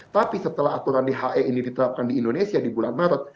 tapi setelah aturan dhe ini diterapkan di indonesia di bulan maret